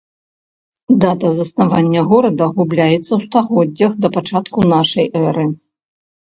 Дата заснавання горада губляецца ў стагоддзях да пачатку нашай эры.